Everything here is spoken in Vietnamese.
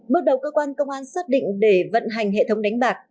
bước đầu cơ quan công an xác định để vận hành hệ thống đánh bạc